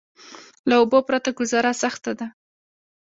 له اوبو پرته ګذاره سخته ده.